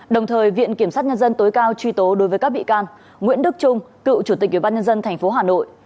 đồng thời viện kiểm sát nhân dân tối cao truy tố đối với các bị can nguyễn đức trung cựu chủ tịch ủy ban nhân dân tp hà nội